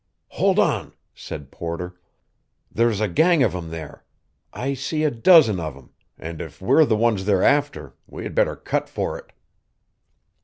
"Hold on," said Porter. "There's a gang of 'em there. I see a dozen of 'em, and if we're the ones they're after we had better cut for it."